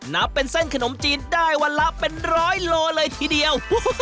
นับเป็นเส้นขนมจีนได้วันละเป็นร้อยโลเลยทีเดียว